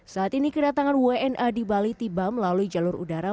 saat ini kedatangan wna di bali tiba melalui jalur udara